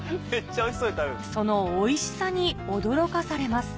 そのおいしさに驚かされます